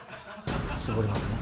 絞りますね。